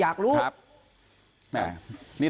คุยกันต่อวันหลังนะเรื่องซิมเนี้ย